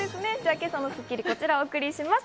今朝の『スッキリ』はこちらをお送りします。